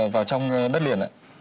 vào trong đất liền